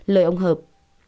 lời ông hợp